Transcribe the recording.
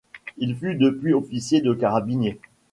Il fut depuis officier de carabiniers.